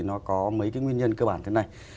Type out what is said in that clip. nó có mấy nguyên nhân cơ bản thế này